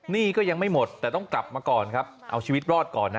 หนี้ก็ยังไม่หมดแต่ต้องกลับมาก่อนครับเอาชีวิตรอดก่อนนะ